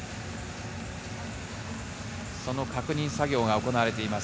その確認作業が行われています。